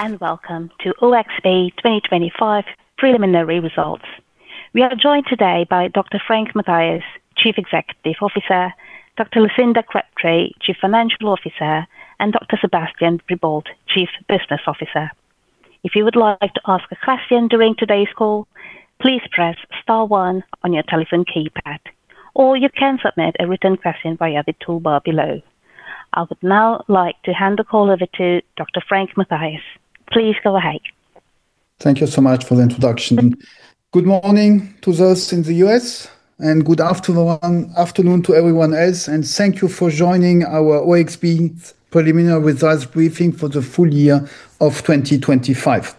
Hello and welcome to OXB 2025 preliminary results. We are joined today by Dr. Frank Mathias, Chief Executive Officer, Dr. Lucinda Crabtree, Chief Financial Officer, and Dr. Sébastien Ribault, Chief Business Officer. If you would like to ask a question during today's call, please press star one on your telephone keypad, or you can submit a written question via the toolbar below. I would now like to hand the call over to Dr. Frank Mathias. Please go ahead. Thank you so much for the introduction. Good morning to those in the U.S., and good afternoon to everyone else, and thank you for joining our OXB preliminary results briefing for the full year of 2025.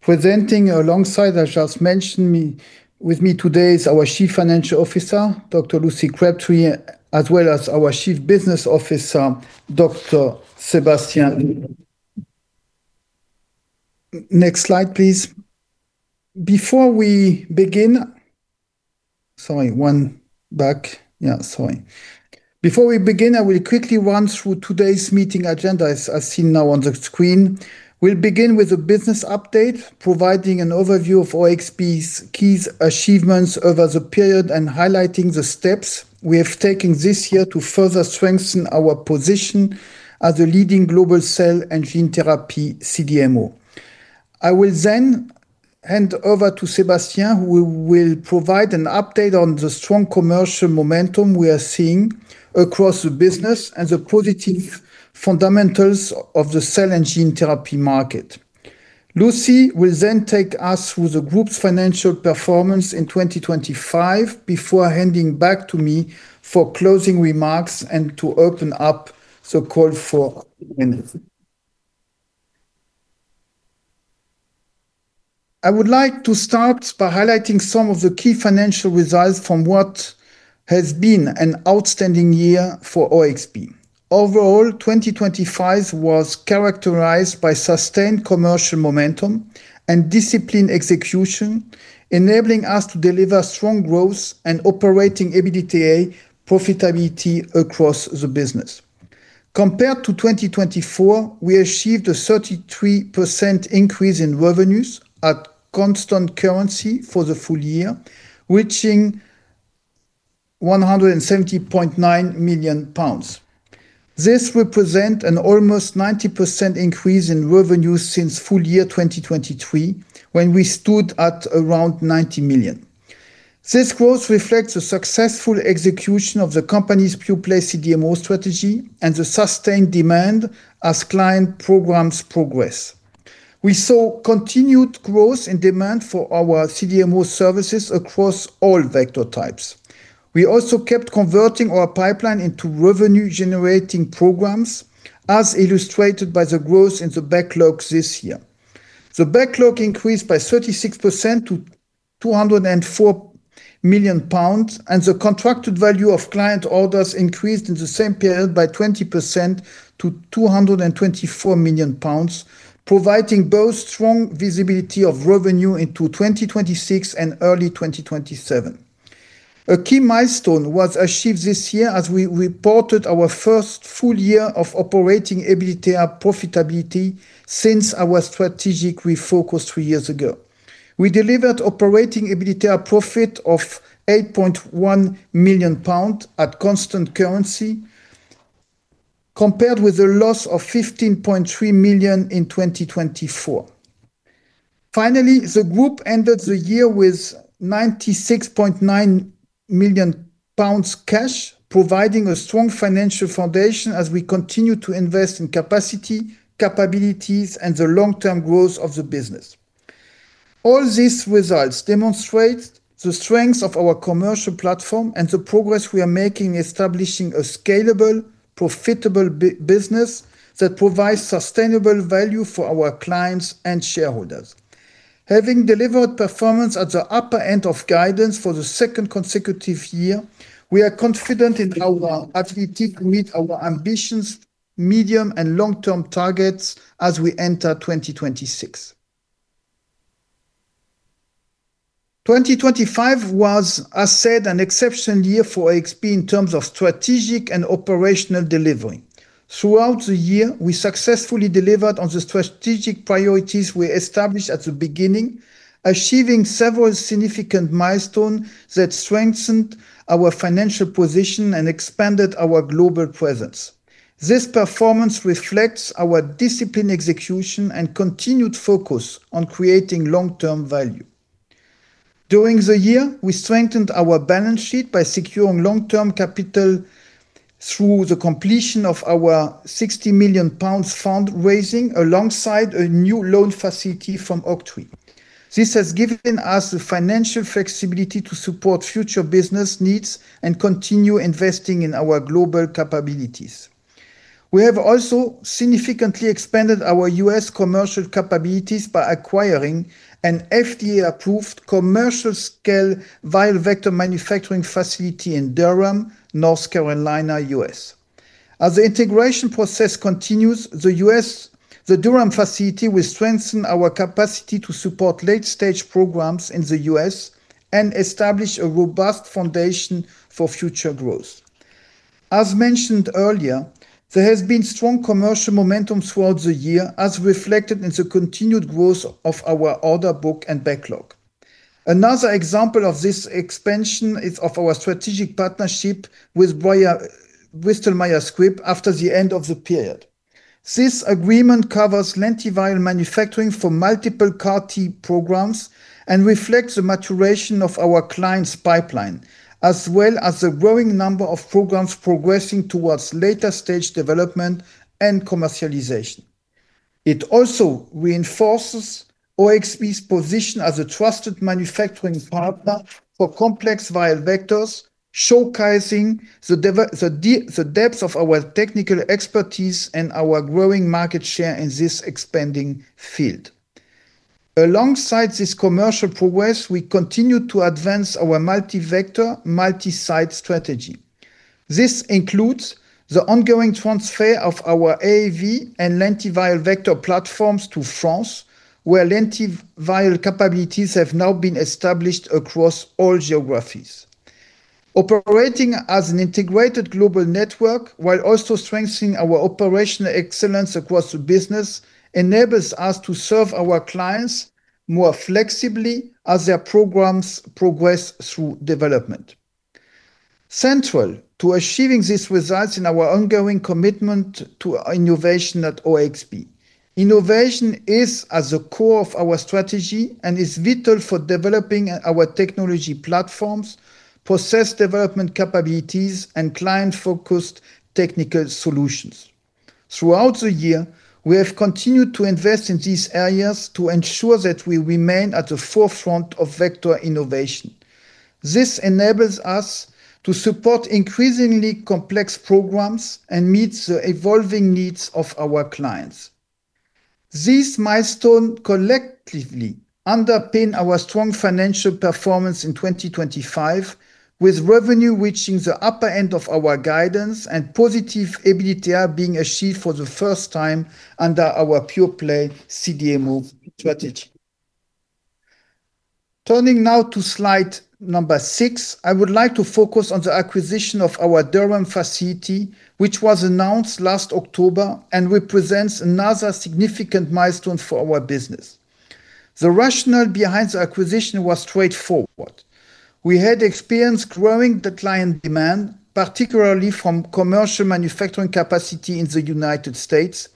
Presenting alongside, as just mentioned me, with me today is our Chief Financial Officer, Dr. Lucy Crabtree, as well as our Chief Business Officer, Dr. Sébastien. Next slide, please. Before we begin, I will quickly run through today's meeting agenda, as seen now on the screen. We'll begin with a business update, providing an overview of OXB's key achievements over the period and highlighting the steps we have taken this year to further strengthen our position as a leading global cell and gene therapy CDMO. I will then hand over to Sébastien, who will provide an update on the strong commercial momentum we are seeing across the business and the positive fundamentals of the cell and gene therapy market. Lucy will then take us through the group's financial performance in 2025 before handing back to me for closing remarks and to open up the call for Q&A. I would like to start by highlighting some of the key financial results from what has been an outstanding year for OXB. Overall, 2025 was characterized by sustained commercial momentum and disciplined execution, enabling us to deliver strong growth and operating EBITDA profitability across the business. Compared to 2024, we achieved a 33% increase in revenues at constant currency for the full year, reaching 170.9 million pounds. This represents an almost 90% increase in revenue since full year 2023, when we stood at around 90 million. This growth reflects the successful execution of the company's pure-play CDMO strategy and the sustained demand as client programs progress. We saw continued growth in demand for our CDMO services across all vector types. We also kept converting our pipeline into revenue-generating programs, as illustrated by the growth in the backlog this year. The backlog increased by 36% to 204 million pounds, and the contracted value of client orders increased in the same period by 20% to 224 million pounds, providing both strong visibility of revenue into 2026 and early 2027. A key milestone was achieved this year as we reported our first full year of operating EBITDA profitability since our strategic refocus three years ago. We delivered operating EBITDA profit of 8.1 million pounds at constant currency, compared with a loss of 15.3 million in 2024. Finally, the group ended the year with 96.9 million pounds cash, providing a strong financial foundation as we continue to invest in capacity, capabilities, and the long-term growth of the business. All these results demonstrate the strength of our commercial platform and the progress we are making establishing a scalable, profitable business that provides sustainable value for our clients and shareholders. Having delivered performance at the upper end of guidance for the second consecutive year, we are confident in our ability to meet our ambitions, medium and long-term targets as we enter 2026. 2025 was, I said, an exceptional year for OXB in terms of strategic and operational delivery. Throughout the year, we successfully delivered on the strategic priorities we established at the beginning, achieving several significant milestones that strengthened our financial position and expanded our global presence. This performance reflects our disciplined execution and continued focus on creating long-term value. During the year, we strengthened our balance sheet by securing long-term capital through the completion of our 60 million pounds fundraising alongside a new loan facility from Oaktree. This has given us the financial flexibility to support future business needs and continue investing in our global capabilities. We have also significantly expanded our U.S. commercial capabilities by acquiring an FDA-approved commercial-scale viral vector manufacturing facility in Durham, North Carolina, U.S. As the integration process continues, the U.S. The Durham facility will strengthen our capacity to support late-stage programs in the U.S. and establish a robust foundation for future growth. As mentioned earlier, there has been strong commercial momentum throughout the year, as reflected in the continued growth of our order book and backlog. Another example of this expansion is our strategic partnership with Bayer, Bristol Myers Squibb after the end of the period. This agreement covers lentiviral manufacturing for multiple CAR-T programs and reflects the maturation of our client's pipeline, as well as the growing number of programs progressing towards later stage development and commercialization. It also reinforces OXB's position as a trusted manufacturing partner for complex viral vectors, showcasing the depth of our technical expertise and our growing market share in this expanding field. Alongside this commercial progress, we continue to advance our multi-vector, multi-site strategy. This includes the ongoing transfer of our AAV and lentiviral vector platforms to France, where lentiviral capabilities have now been established across all geographies. Operating as an integrated global network while also strengthening our operational excellence across the business enables us to serve our clients more flexibly as their programs progress through development. Central to achieving these results is our ongoing commitment to innovation at OXB. Innovation is at the core of our strategy and is vital for developing our technology platforms, process development capabilities, and client-focused technical solutions. Throughout the year, we have continued to invest in these areas to ensure that we remain at the forefront of vector innovation. This enables us to support increasingly complex programs and meet the evolving needs of our clients. This milestone collectively underpin our strong financial performance in 2025, with revenue reaching the upper end of our guidance and positive EBITDA being achieved for the first time under our pure-play CDMO strategy. Turning now to slide 6, I would like to focus on the acquisition of our Durham facility, which was announced last October and represents another significant milestone for our business. The rationale behind the acquisition was straightforward. We have experienced growing client demand, particularly for commercial manufacturing capacity in the United States,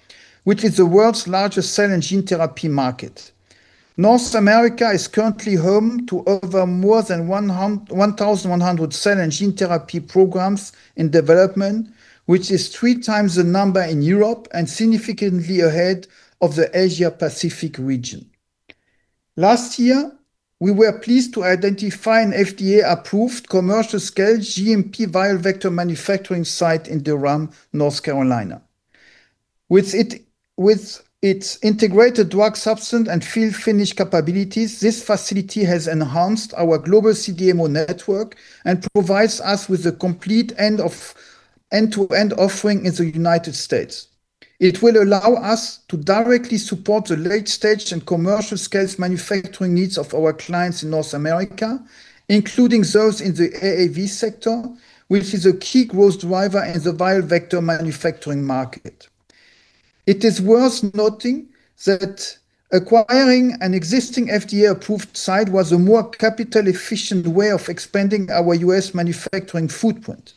which is the world's largest cell and gene therapy market. North America is currently home to over 1,100 cell and gene therapy programs in development, which is three times the number in Europe and significantly ahead of the Asia Pacific region. Last year, we were pleased to identify an FDA-approved commercial-scale GMP viral vector manufacturing site in Durham, North Carolina. With its integrated drug substance and fill and finish capabilities, this facility has enhanced our global CDMO network and provides us with a complete end-to-end offering in the United States. It will allow us to directly support the late-stage and commercial-scale manufacturing needs of our clients in North America, including those in the AAV sector, which is a key growth driver in the viral vector manufacturing market. It is worth noting that acquiring an existing FDA-approved site was a more capital-efficient way of expanding our U.S. manufacturing footprint.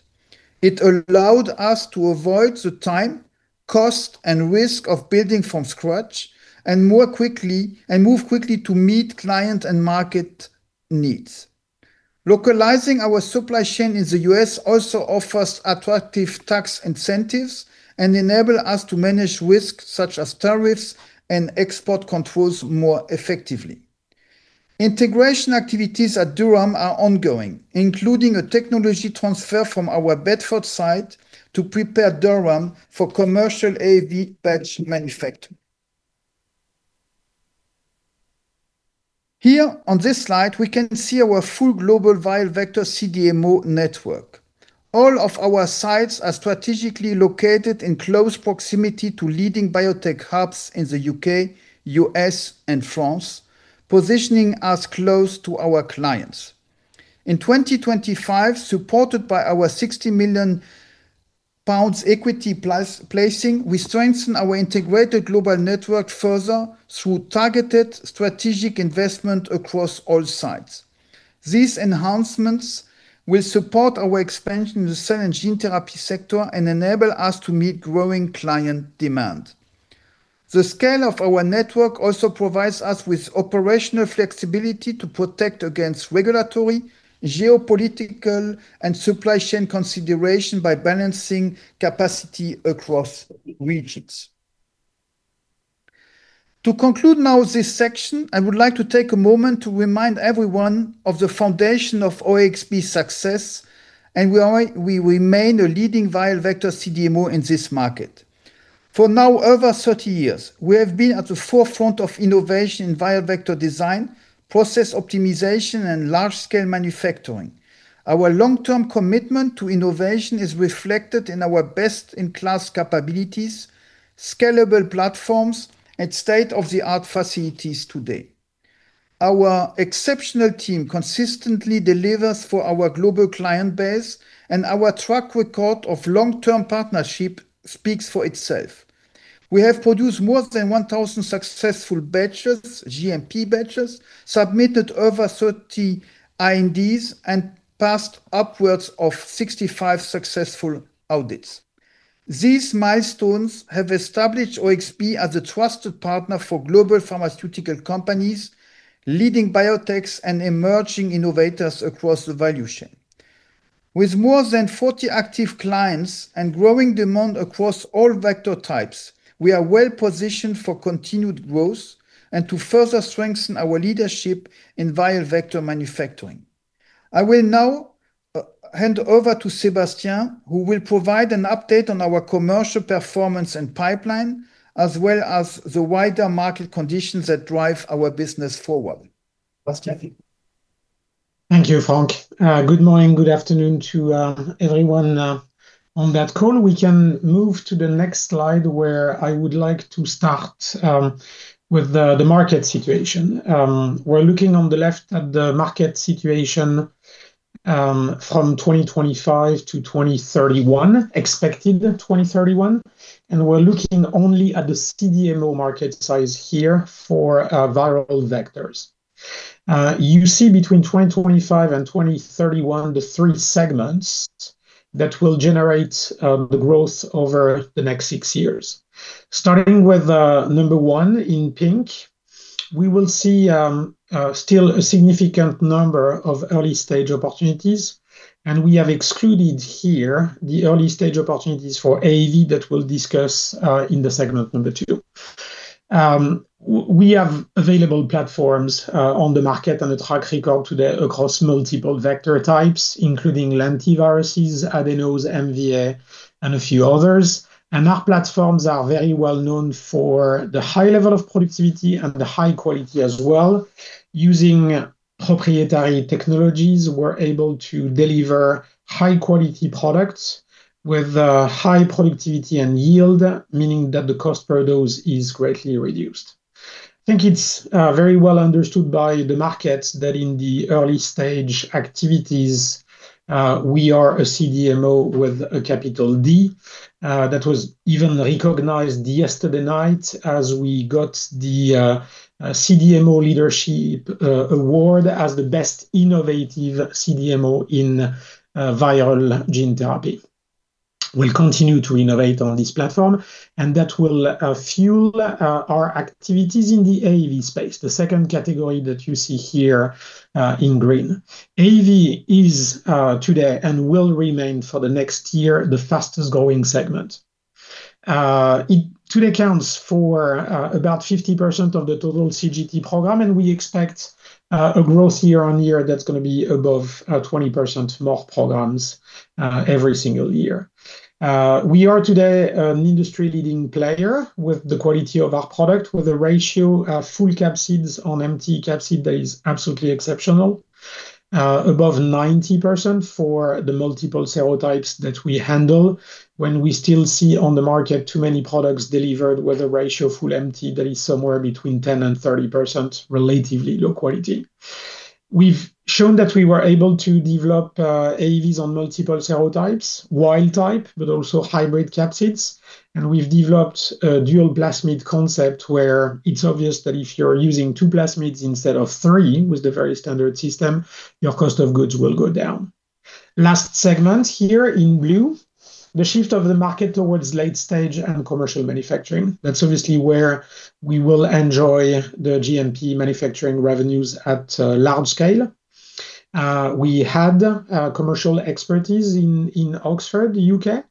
It allowed us to avoid the time, cost, and risk of building from scratch and more quickly move to meet client and market needs. Localizing our supply chain in the U.S. also offers attractive tax incentives and enables us to manage risks such as tariffs and export controls more effectively. Integration activities at Durham are ongoing, including a technology transfer from our Bedford site to prepare Durham for commercial AAV batch manufacturing. Here on this slide, we can see our full global viral vector CDMO network. All of our sites are strategically located in close proximity to leading biotech hubs in the U.K., U.S., and France, positioning us close to our clients. In 2025, supported by our 60 million pounds equity placing, we strengthen our integrated global network further through targeted strategic investment across all sites. These enhancements will support our expansion in the cell and gene therapy sector and enable us to meet growing client demand. The scale of our network also provides us with operational flexibility to protect against regulatory, geopolitical, and supply chain consideration by balancing capacity across regions. To conclude now this section, I would like to take a moment to remind everyone of the foundation of OXB's success, and we remain a leading viral vector CDMO in this market. For over 30 years, we have been at the forefront of innovation in viral vector design, process optimization, and large-scale manufacturing. Our long-term commitment to innovation is reflected in our best-in-class capabilities, scalable platforms, and state-of-the-art facilities today. Our exceptional team consistently delivers for our global client base, and our track record of long-term partnership speaks for itself. We have produced more than 1,000 successful batches, GMP batches, submitted over 30 INDs, and passed upwards of 65 successful audits. These milestones have established OXB as a trusted partner for global pharmaceutical companies, leading biotechs and emerging innovators across the value chain. With more than 40 active clients and growing demand across all vector types, we are well-positioned for continued growth and to further strengthen our leadership in viral vector manufacturing. I will now hand over to Sébastien, who will provide an update on our commercial performance and pipeline, as well as the wider market conditions that drive our business forward. Sébastien. Thank you, Frank. Good morning, good afternoon to everyone on that call. We can move to the next slide, where I would like to start with the market situation. We're looking on the left at the market situation from 2025 to 2031, expected 2031, and we're looking only at the CDMO market size here for viral vectors. You see between 2025 and 2031, the three segments that will generate the growth over the next six years. Starting with number 1 in pink, we will see still a significant number of early-stage opportunities, and we have excluded here the early-stage opportunities for AAV that we'll discuss in the segment number 2. We have available platforms on the market and a track record today across multiple vector types, including lentiviruses, adenoviruses, MVA, and a few others. Our platforms are very well known for the high level of productivity and the high quality as well. Using proprietary technologies, we're able to deliver high-quality products with high productivity and yield, meaning that the cost per dose is greatly reduced. I think it's very well understood by the market that in the early stage activities, we are a CDMO with a capital D. That was even recognized yesterday night as we got the CDMO Leadership Award as the best innovative CDMO in viral gene therapy. We'll continue to innovate on this platform, and that will fuel our activities in the AAV space, the second category that you see here in green. AAV is today and will remain for the next year, the fastest growing segment. It today accounts for about 50% of the total CGT program, and we expect a growth year-over-year that's gonna be above 20% more programs every single year. We are today an industry-leading player with the quality of our product, with a ratio of full capsids on empty capsid that is absolutely exceptional above 90% for the multiple serotypes that we handle when we still see on the market too many products delivered with a ratio full empty that is somewhere between 10% and 30%, relatively low quality. We've shown that we were able to develop AAVs on multiple serotypes, wild type, but also hybrid capsids. We've developed a dual plasmid concept where it's obvious that if you're using two plasmids instead of three, with the very standard system, your cost of goods will go down. Last segment here in blue, the shift of the market towards late stage and commercial manufacturing. That's obviously where we will enjoy the GMP manufacturing revenues at large scale. We had commercial expertise in Oxford, U.K.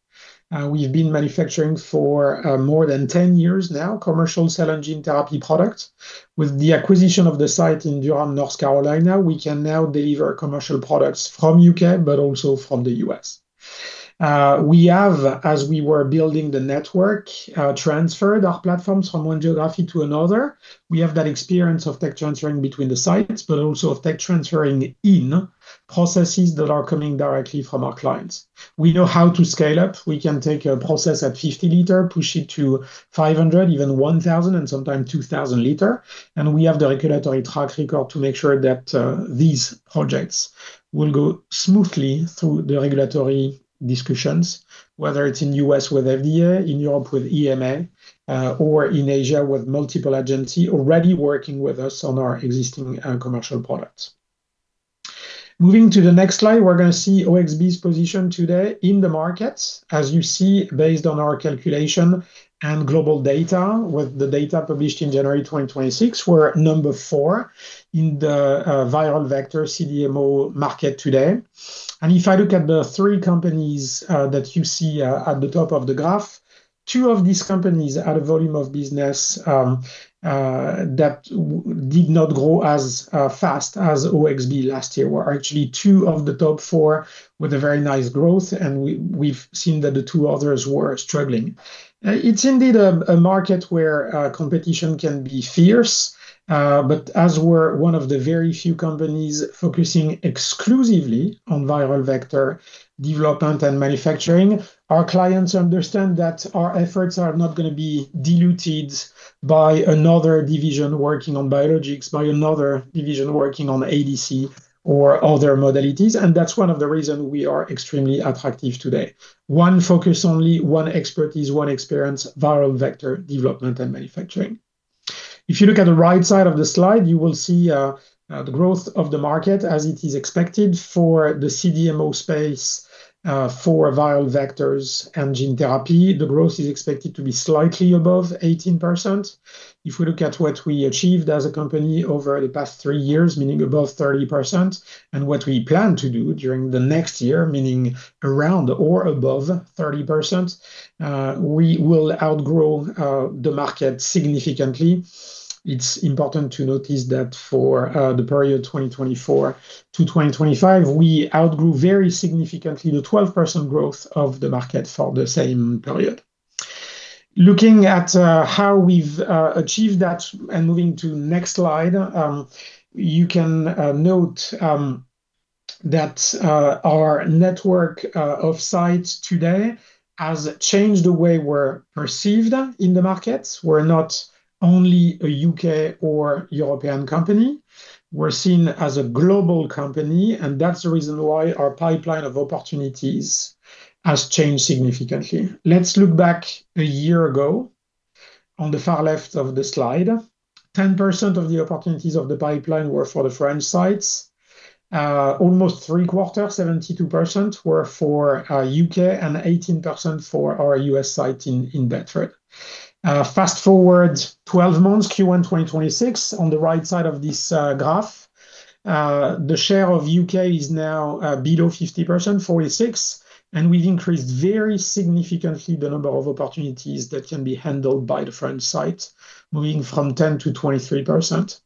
We've been manufacturing for more than 10 years now, commercial cell and gene therapy products. With the acquisition of the site in Durham, North Carolina, we can now deliver commercial products from the U.K. but also from the U.S. We have, as we were building the network, transferred our platforms from one geography to another. We have that experience of tech transferring between the sites, but also of tech transferring in processes that are coming directly from our clients. We know how to scale up. We can take a process at 50 liter, push it to 500, even 1,000, and sometimes 2,000 liter, and we have the regulatory track record to make sure that these projects will go smoothly through the regulatory discussions, whether it's in the U.S. with FDA, in Europe with EMA, or in Asia with multiple agencies already working with us on our existing commercial products. Moving to the next slide, we're gonna see OXB's position today in the markets. As you see, based on our calculation and global data, with the data published in January 2026, we're number 4 in the viral vector CDMO market today. If I look at the three companies that you see at the top of the graph, two of these companies had a volume of business that did not grow as fast as OXB last year. We're actually two of the top four with a very nice growth, and we've seen that the two others were struggling. It's indeed a market where competition can be fierce, but as we're one of the very few companies focusing exclusively on viral vector development and manufacturing, our clients understand that our efforts are not gonna be diluted by another division working on biologics, by another division working on ADC or other modalities, and that's one of the reason we are extremely attractive today. One focus only, one expertise, one experience, viral vector development and manufacturing. If you look at the right side of the slide, you will see the growth of the market as it is expected for the CDMO space for viral vectors and gene therapy. The growth is expected to be slightly above 18%. If we look at what we achieved as a company over the past three years, meaning above 30%, and what we plan to do during the next year, meaning around or above 30%, we will outgrow the market significantly. It's important to notice that for the period 2024 to 2025, we outgrew very significantly the 12% growth of the market for the same period. Looking at how we've achieved that and moving to next slide, you can note that our network of sites today has changed the way we're perceived in the markets. We're not only a U.K. or European company, we're seen as a global company, and that's the reason why our pipeline of opportunities has changed significantly. Let's look back a year ago on the far left of the slide. 10% of the opportunities of the pipeline were for the French sites. Almost three-quarter, 72% were for our U.K. and 18% for our U.S. site in Bedford. Fast-forward 12 months, Q1 2026 on the right side of this graph. The share of U.K. is now below 50%, 46%, and we've increased very significantly the number of opportunities that can be handled by the French site, moving from 10%-23%.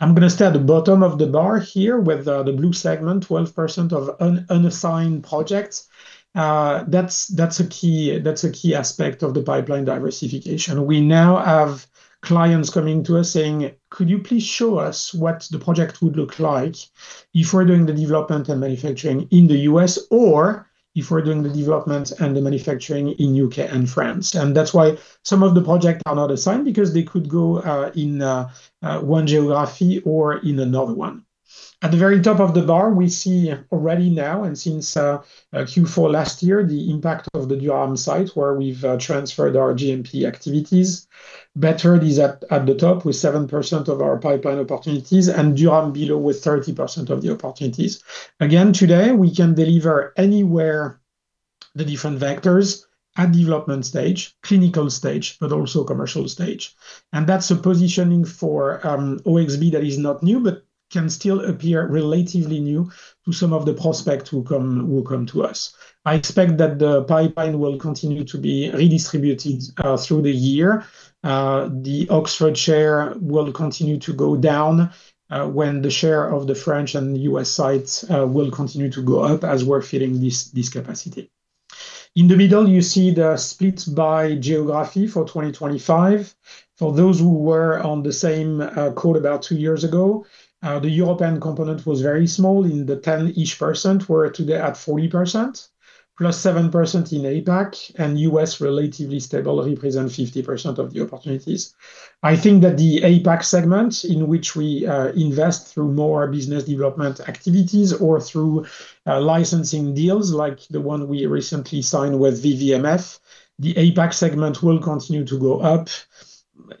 I'm gonna stay at the bottom of the bar here with the blue segment, 12% of unassigned projects. That's a key aspect of the pipeline diversification. We now have clients coming to us saying, "Could you please show us what the project would look like if we're doing the development and manufacturing in the U.S., or if we're doing the development and the manufacturing in U.K. and France?" That's why some of the project are not assigned because they could go in one geography or in another one. At the very top of the bar, we see already now and since Q4 last year, the impact of the Durham site where we've transferred our GMP activities. Bedford is at the top with 7% of our pipeline opportunities, and Durham below with 30% of the opportunities. Again, today, we can deliver anywhere the different vectors at development stage, clinical stage, but also commercial stage. That's a positioning for OXB that is not new, but can still appear relatively new to some of the prospects who come to us. I expect that the pipeline will continue to be redistributed through the year. The Oxford share will continue to go down when the share of the French and U.S. sites will continue to go up as we're filling this capacity. In the middle, you see the split by geography for 2025. For those who were on the same call about two years ago, the European component was very small in the 10-ish%. We're today at 40%, plus 7% in APAC, and U.S. relatively stable, represent 50% of the opportunities. I think that the APAC segment in which we invest through more business development activities or through licensing deals like the one we recently signed with WuXi, the APAC segment will continue to go up.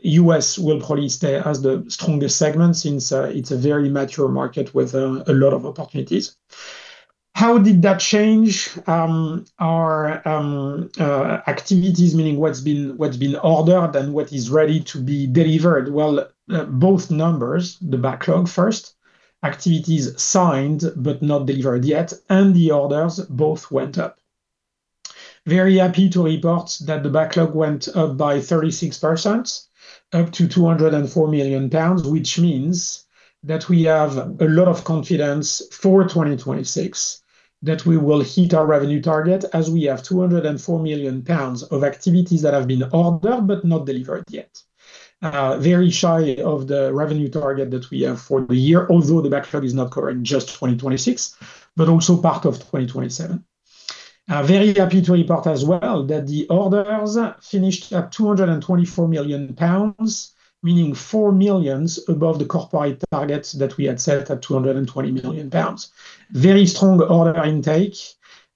U.S. will probably stay as the strongest segment since it's a very mature market with a lot of opportunities. How did that change our activities, meaning what's been ordered and what is ready to be delivered? Well, both numbers, the backlog first, activities signed but not delivered yet, and the orders both went up. Very happy to report that the backlog went up by 36%, up to 204 million pounds, which means that we have a lot of confidence for 2026 that we will hit our revenue target as we have 204 million pounds of activities that have been ordered but not delivered yet. Very shy of the revenue target that we have for the year, although the backlog is not covering just 2026, but also part of 2027. Very happy to report as well that the orders finished at 224 million pounds, meaning 4 million above the corporate targets that we had set at 220 million pounds. Very strong order intake.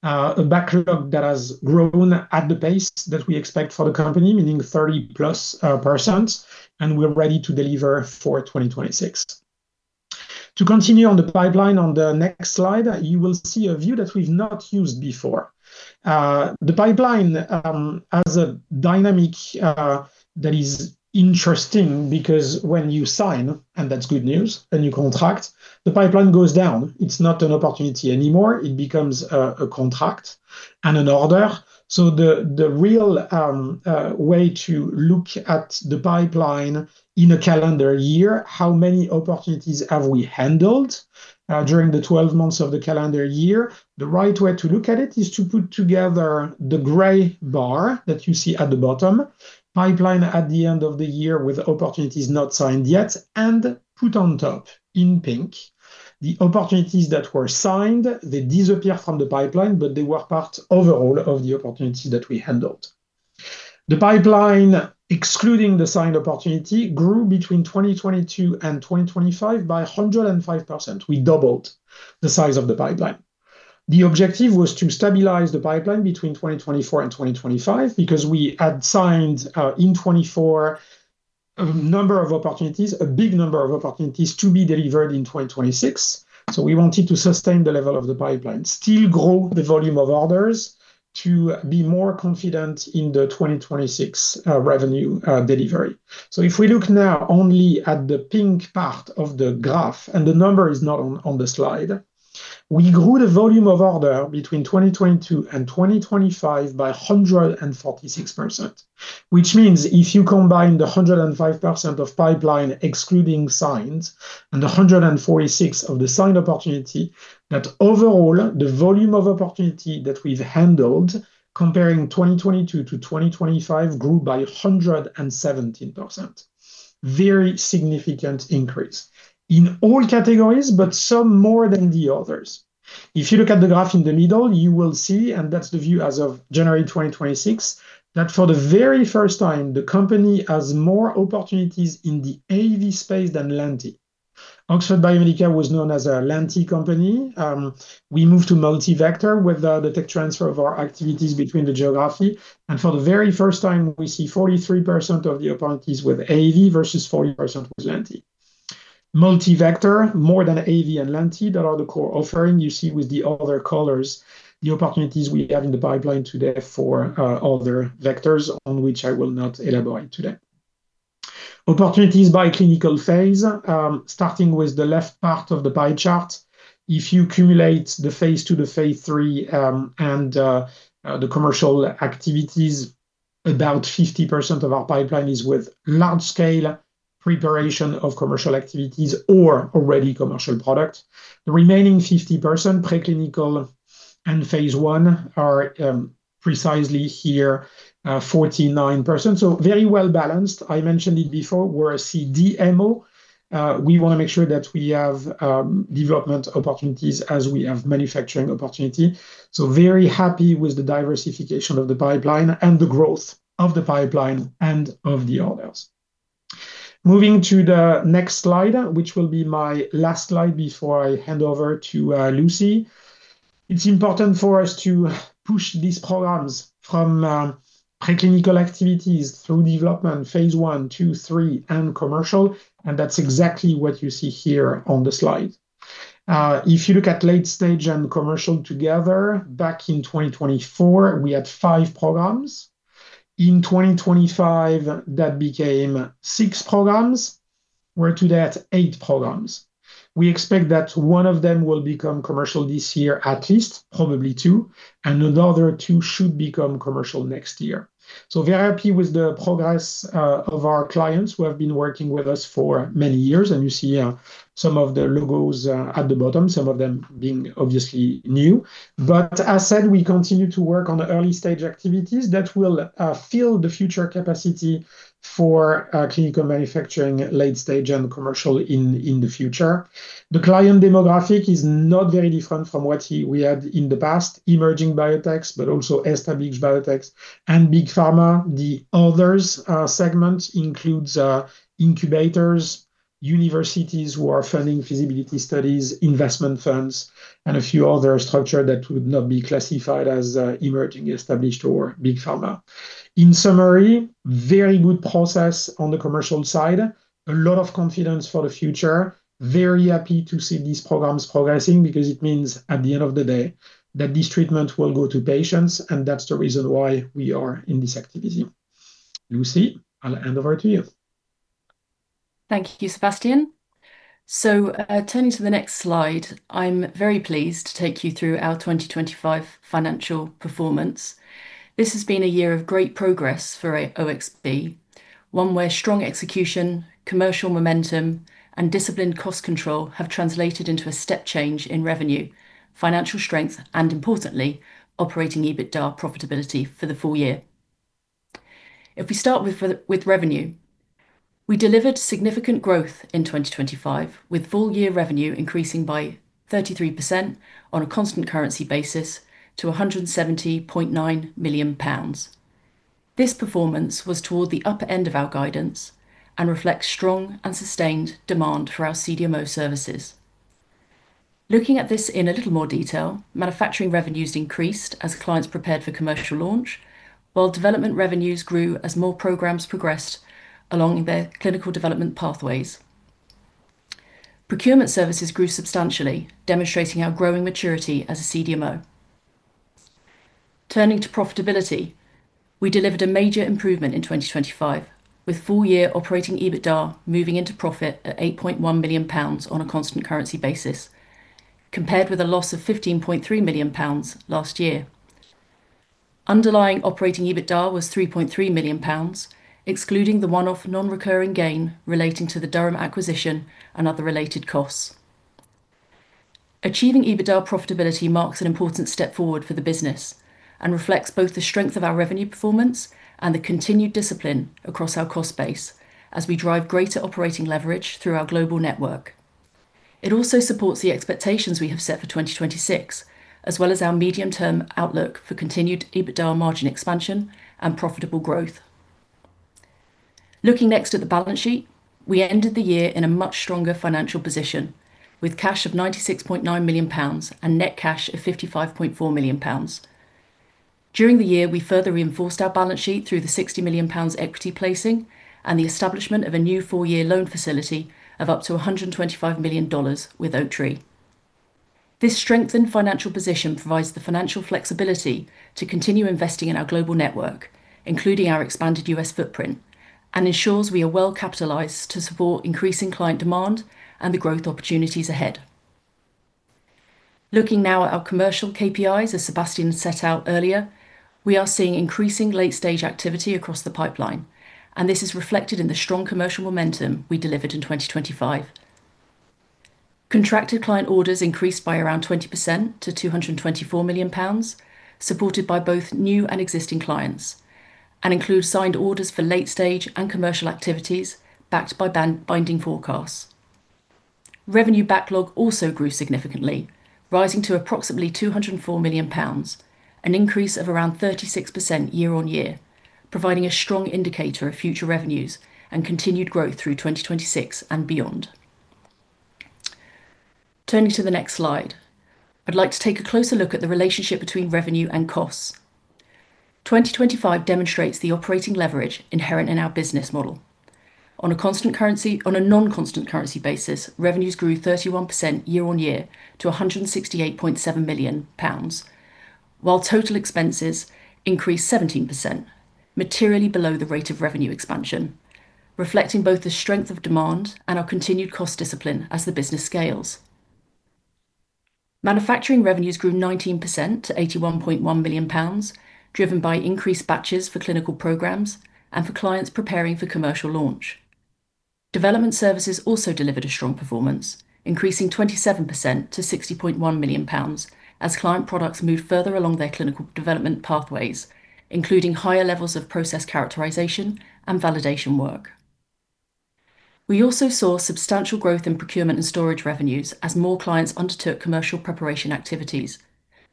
A backlog that has grown at the pace that we expect for the company, meaning 30+%, and we're ready to deliver for 2026. To continue on the pipeline on the next slide, you will see a view that we've not used before. The pipeline has a dynamic that is interesting because when you sign, and that's good news, and you contract, the pipeline goes down. It's not an opportunity anymore. It becomes a contract and an order. The real way to look at the pipeline in a calendar year, how many opportunities have we handled during the 12 months of the calendar year? The right way to look at it is to put together the gray bar that you see at the bottom, pipeline at the end of the year with opportunities not signed yet, and put on top in pink the opportunities that were signed. They disappear from the pipeline, but they were part overall of the opportunities that we handled. The pipeline, excluding the signed opportunity, grew between 2022 and 2025 by 105%. We doubled the size of the pipeline. The objective was to stabilize the pipeline between 2024 and 2025 because we had signed in 2024 a number of opportunities, a big number of opportunities to be delivered in 2026. We wanted to sustain the level of the pipeline, still grow the volume of orders to be more confident in the 2026 revenue delivery. If we look now only at the pink part of the graph, and the number is not on the slide, we grew the volume of order between 2022 and 2025 by 146%. Which means if you combine the 105% of pipeline excluding signed and the 146 of the signed opportunity, that overall, the volume of opportunity that we've handled comparing 2022 to 2025 grew by 117%. Very significant increase in all categories, but some more than the others. If you look at the graph in the middle, you will see, and that's the view as of January 2026, that for the very first time, the company has more opportunities in the AAV space than lenti. Oxford Biomedica was known as a lenti company. We moved to multi-vector with the tech transfer of our activities between the geographies. For the very first time, we see 43% of the opportunities with AAV versus 40% with lenti. Multi-vector, more than AAV and lenti that are the core offering you see with the other colors, the opportunities we have in the pipeline today for other vectors on which I will not elaborate today. Opportunities by clinical phase, starting with the left part of the pie chart. If you cumulate the phase II to phase III and the commercial activities, about 50% of our pipeline is with large scale preparation of commercial activities or already commercial product. The remaining 50%, preclinical and phase I are precisely here, 49%, so very well-balanced. I mentioned it before, we're a CDMO. We wanna make sure that we have development opportunities as we have manufacturing opportunity. Very happy with the diversification of the pipeline and the growth of the pipeline and of the orders. Moving to the next slide, which will be my last slide before I hand over to Lucy. It's important for us to push these programs from preclinical activities through development, phase I, II, III and commercial, and that's exactly what you see here on the slide. If you look at late stage and commercial together, back in 2024, we had five programs. In 2025, that became six programs. We're today at eight programs. We expect that one of them will become commercial this year, at least probably two, and another two should become commercial next year. Very happy with the progress of our clients who have been working with us for many years, and you see some of the logos at the bottom, some of them being obviously new. As said, we continue to work on the early stage activities that will fill the future capacity for clinical manufacturing at late stage and commercial in the future. The client demographic is not very different from what we had in the past, emerging biotechs, but also established biotechs and Big Pharma. The other segment includes incubators, universities who are funding feasibility studies, investment funds, and a few other structures that would not be classified as emerging, established or Big Pharma. In summary, very good progress on the commercial side. A lot of confidence for the future. Very happy to see these programs progressing because it means at the end of the day that this treatment will go to patients, and that's the reason why we are in this activity. Lucy, I'll hand over to you. Thank you, Sébastien. Turning to the next slide, I'm very pleased to take you through our 2025 financial performance. This has been a year of great progress for OXB, one where strong execution, commercial momentum and disciplined cost control have translated into a step change in revenue, financial strength and importantly, operating EBITDA profitability for the full year. If we start with revenue. We delivered significant growth in 2025, with full year revenue increasing by 33% on a constant currency basis to 170.9 million pounds. This performance was toward the upper end of our guidance and reflects strong and sustained demand for our CDMO services. Looking at this in a little more detail, manufacturing revenues increased as clients prepared for commercial launch, while development revenues grew as more programs progressed along their clinical development pathways. Procurement services grew substantially, demonstrating our growing maturity as a CDMO. Turning to profitability, we delivered a major improvement in 2025, with full year operating EBITDA moving into profit at 8.1 million pounds on a constant currency basis, compared with a loss of 15.3 million pounds last year. Underlying operating EBITDA was 3.3 million pounds, excluding the one-off non-recurring gain relating to the Durham acquisition and other related costs. Achieving EBITDA profitability marks an important step forward for the business and reflects both the strength of our revenue performance and the continued discipline across our cost base as we drive greater operating leverage through our global network. It also supports the expectations we have set for 2026, as well as our medium-term outlook for continued EBITDA margin expansion and profitable growth. Looking next at the balance sheet, we ended the year in a much stronger financial position with cash of 96.9 million pounds and net cash of 55.4 million pounds. During the year, we further reinforced our balance sheet through the 60 million pounds equity placing and the establishment of a new four-year loan facility of up to $125 million with Oaktree. This strengthened financial position provides the financial flexibility to continue investing in our global network, including our expanded U.S. footprint, and ensures we are well capitalized to support increasing client demand and the growth opportunities ahead. Looking now at our commercial KPIs, as Sébastien set out earlier, we are seeing increasing late-stage activity across the pipeline, and this is reflected in the strong commercial momentum we delivered in 2025. Contracted client orders increased by around 20% to 224 million pounds, supported by both new and existing clients, and include signed orders for late-stage and commercial activities backed by binding forecasts. Revenue backlog also grew significantly, rising to approximately 204 million pounds, an increase of around 36% year-over-year, providing a strong indicator of future revenues and continued growth through 2026 and beyond. Turning to the next slide, I'd like to take a closer look at the relationship between revenue and costs. 2025 demonstrates the operating leverage inherent in our business model. On a non-constant currency basis, revenues grew 31% year-on-year to GBP 168.7 million, while total expenses increased 17%, materially below the rate of revenue expansion, reflecting both the strength of demand and our continued cost discipline as the business scales. Manufacturing revenues grew 19% to 81.1 million pounds, driven by increased batches for clinical programs and for clients preparing for commercial launch. Development services also delivered a strong performance, increasing 27% to 60.1 million pounds as client products moved further along their clinical development pathways, including higher levels of process characterization and validation work. We also saw substantial growth in procurement and storage revenues as more clients undertook commercial preparation activities,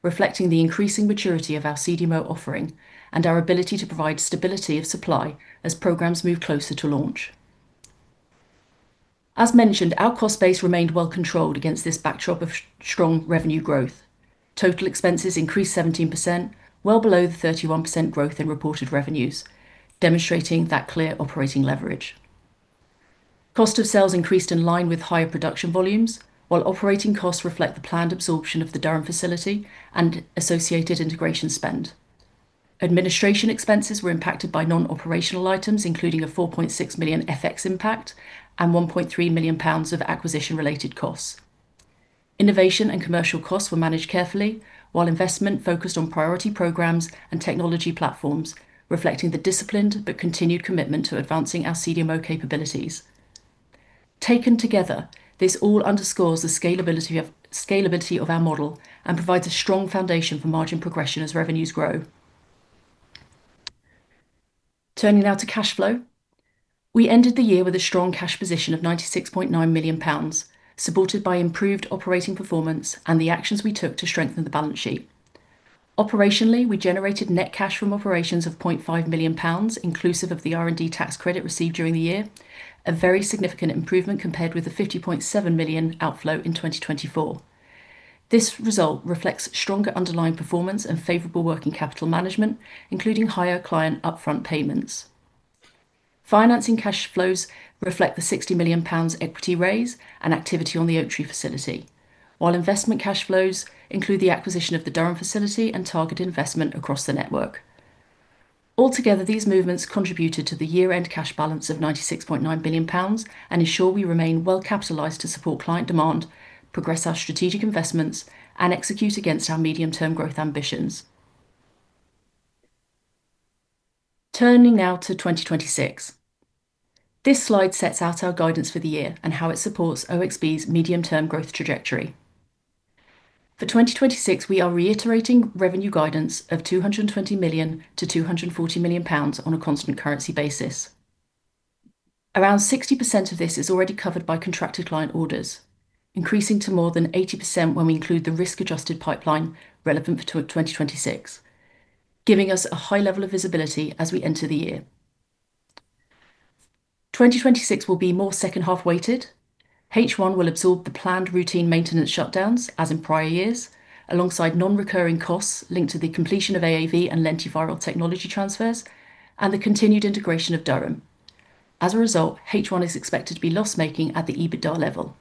reflecting the increasing maturity of our CDMO offering and our ability to provide stability of supply as programs move closer to launch. As mentioned, our cost base remained well controlled against this backdrop of strong revenue growth. Total expenses increased 17%, well below the 31% growth in reported revenues, demonstrating that clear operating leverage. Cost of sales increased in line with higher production volumes, while operating costs reflect the planned absorption of the Durham facility and associated integration spend. Administration expenses were impacted by non-operational items, including a 4.6 million FX impact and 1.3 million pounds of acquisition-related costs. Innovation and commercial costs were managed carefully, while investment focused on priority programs and technology platforms, reflecting the disciplined but continued commitment to advancing our CDMO capabilities. Taken together, this all underscores the scalability of our model and provides a strong foundation for margin progression as revenues grow. Turning now to cash flow. We ended the year with a strong cash position of 96.9 million pounds, supported by improved operating performance and the actions we took to strengthen the balance sheet. Operationally, we generated net cash from operations of 0.5 million pounds inclusive of the R&D tax credit received during the year, a very significant improvement compared with the 50.7 million outflow in 2024. This result reflects stronger underlying performance and favorable working capital management, including higher client upfront payments. Financing cash flows reflect the 60 million pounds equity raise and activity on the Oaktree facility. While investment cash flows include the acquisition of the Durham facility and target investment across the network. Altogether, these movements contributed to the year-end cash balance of 96.9 billion pounds and ensure we remain well capitalized to support client demand, progress our strategic investments, and execute against our medium-term growth ambitions. Turning now to 2026. This slide sets out our guidance for the year and how it supports OXB's medium-term growth trajectory. For 2026, we are reiterating revenue guidance of 220 million-240 million pounds on a constant currency basis. Around 60% of this is already covered by contracted client orders, increasing to more than 80% when we include the risk-adjusted pipeline relevant for twenty twenty-six, giving us a high level of visibility as we enter the year. 2026 will be more second half weighted. H1 will absorb the planned routine maintenance shutdowns as in prior years, alongside non-recurring costs linked to the completion of AAV and lentiviral technology transfers and the continued integration of Durham. As a result, H1 is expected to be loss-making at the EBITDA level.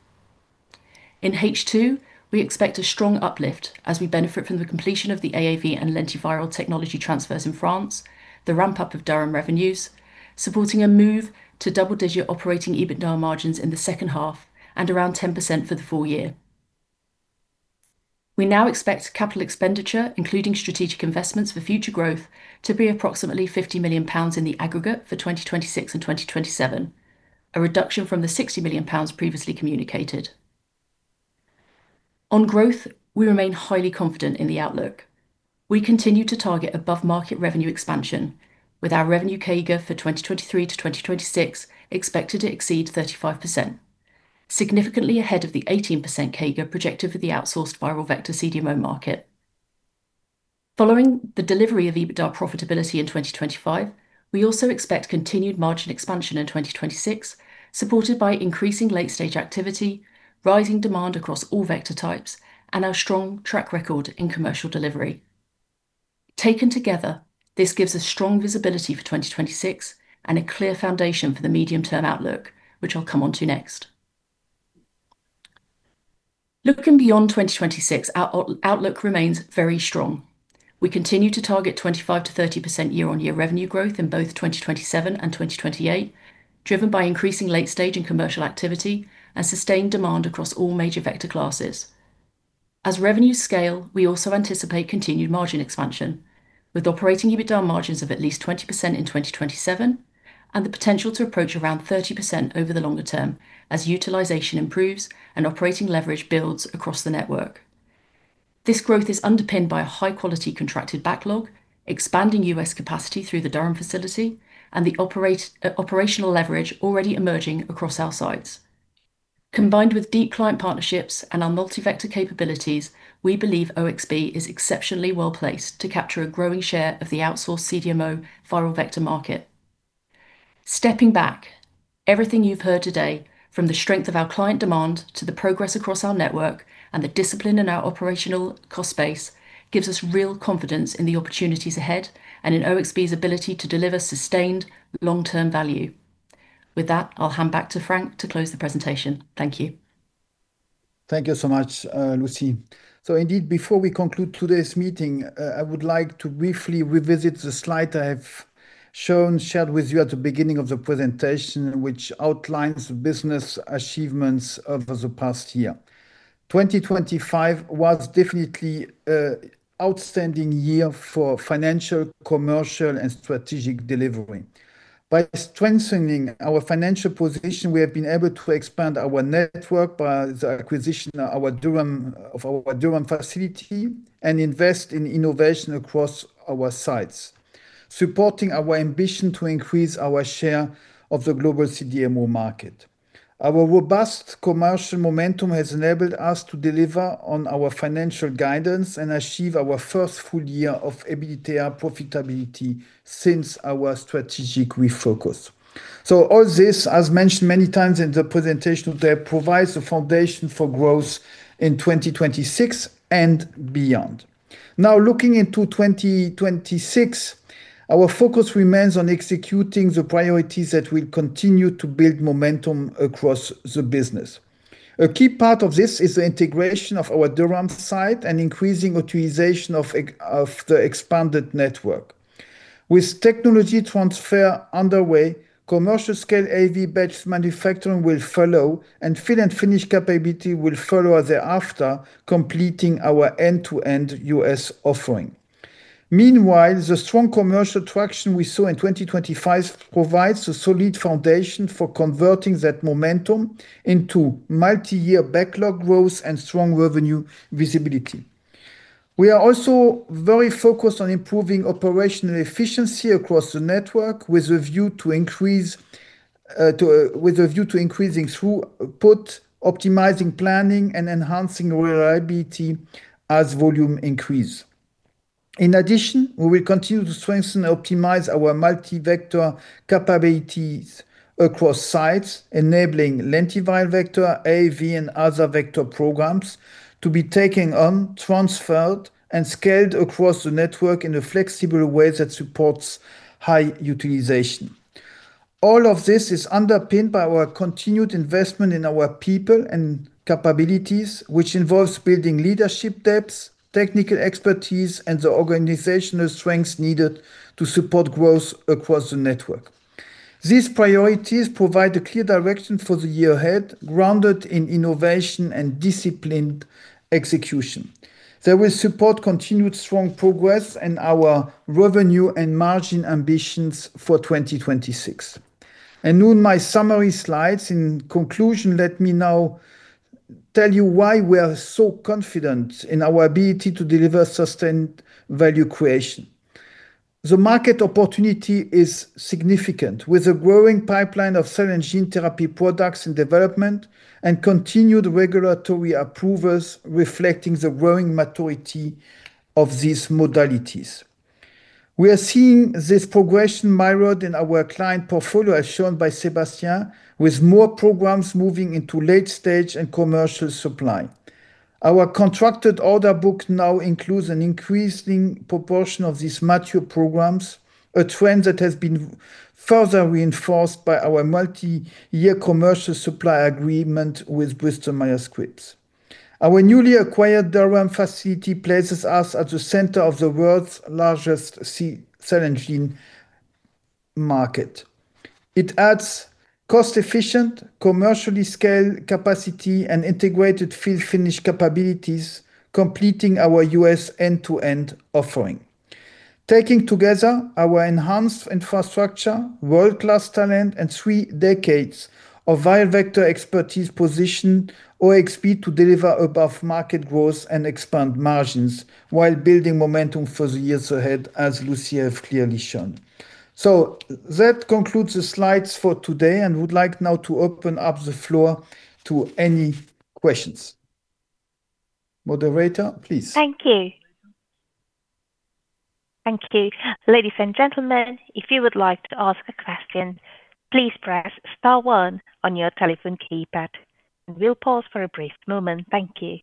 In H2, we expect a strong uplift as we benefit from the completion of the AAV and lentiviral technology transfers in France, the ramp-up of Durham revenues, supporting a move to double-digit operating EBITDA margins in the second half and around 10% for the full year. We now expect capital expenditure, including strategic investments for future growth, to be approximately 50 million pounds in the aggregate for 2026 and 2027, a reduction from the 60 million pounds previously communicated. On growth, we remain highly confident in the outlook. We continue to target above-market revenue expansion with our revenue CAGR for 2023 to 2026 expected to exceed 35%, significantly ahead of the 18% CAGR projected for the outsourced viral vector CDMO market. Following the delivery of EBITDA profitability in 2025, we also expect continued margin expansion in 2026, supported by increasing late stage activity, rising demand across all vector types, and our strong track record in commercial delivery. Taken together, this gives us strong visibility for 2026 and a clear foundation for the medium-term outlook, which I'll come on to next. Looking beyond 2026, our outlook remains very strong. We continue to target 25%-30% year-on-year revenue growth in both 2027 and 2028, driven by increasing late stage in commercial activity and sustained demand across all major vector classes. As revenues scale, we also anticipate continued margin expansion, with operating EBITDA margins of at least 20% in 2027 and the potential to approach around 30% over the longer term as utilization improves and operating leverage builds across the network. This growth is underpinned by a high-quality contracted backlog, expanding U.S. capacity through the Durham facility, and the operational leverage already emerging across our sites. Combined with deep client partnerships and our multi-vector capabilities, we believe OXB is exceptionally well-placed to capture a growing share of the outsourced CDMO viral vector market. Stepping back, everything you've heard today, from the strength of our client demand to the progress across our network and the discipline in our operational cost base, gives us real confidence in the opportunities ahead and in OXB's ability to deliver sustained long-term value. With that, I'll hand back to Frank to close the presentation. Thank you. Thank you so much, Lucy. Indeed, before we conclude today's meeting, I would like to briefly revisit the slide I've shown, shared with you at the beginning of the presentation, which outlines the business achievements over the past year. 2025 was definitely an outstanding year for financial, commercial, and strategic delivery. By strengthening our financial position, we have been able to expand our network by the acquisition of our Durham facility and invest in innovation across our sites, supporting our ambition to increase our share of the global CDMO market. Our robust commercial momentum has enabled us to deliver on our financial guidance and achieve our first full year of EBITDA profitability since our strategic refocus. All this, as mentioned many times in the presentation today, provides the foundation for growth in 2026 and beyond. Now looking into 2026, our focus remains on executing the priorities that will continue to build momentum across the business. A key part of this is the integration of our Durham site and increasing utilization of the expanded network. With technology transfer underway, commercial scale AAV batch manufacturing will follow, and fill and finish capability will follow thereafter, completing our end-to-end U.S. offering. Meanwhile, the strong commercial traction we saw in 2025 provides a solid foundation for converting that momentum into multi-year backlog growth and strong revenue visibility. We are also very focused on improving operational efficiency across the network with a view to increasing throughput, optimizing planning, and enhancing reliability as volume increase. In addition, we will continue to strengthen and optimize our multi-vector capabilities across sites, enabling lentiviral vector, AAV, and other vector programs to be taken on, transferred, and scaled across the network in a flexible way that supports high utilization. All of this is underpinned by our continued investment in our people and capabilities, which involves building leadership depths, technical expertise, and the organizational strengths needed to support growth across the network. These priorities provide a clear direction for the year ahead, grounded in innovation and disciplined execution. They will support continued strong progress in our revenue and margin ambitions for 2026. On my summary slides, in conclusion, let me now tell you why we are so confident in our ability to deliver sustained value creation. The market opportunity is significant, with a growing pipeline of cell and gene therapy products in development and continued regulatory approvals reflecting the growing maturity of these modalities. We are seeing this progression mirrored in our client portfolio, as shown by Sébastien, with more programs moving into late stage and commercial supply. Our contracted order book now includes an increasing proportion of these mature programs, a trend that has been further reinforced by our multi-year commercial supply agreement with Bristol Myers Squibb. Our newly acquired Durham facility places us at the center of the world's largest cell and gene market. It adds cost-efficient, commercially scaled capacity, and integrated fill finish capabilities, completing our U.S. end-to-end offering. Taken together, our enhanced infrastructure, world-class talent, and three decades of viral vector expertise position OXB to deliver above market growth and expand margins while building momentum for the years ahead, as Lucy have clearly shown. That concludes the slides for today, and I would like now to open up the floor to any questions. Moderator, please. Thank you.